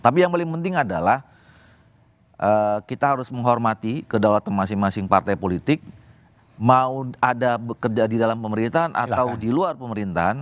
tapi yang paling penting adalah kita harus menghormati kedaulatan masing masing partai politik mau ada bekerja di dalam pemerintahan atau di luar pemerintahan